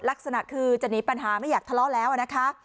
ลักษณะคือจะหนีปัญหาไม่อยากทะเลาะแล้วนะคะ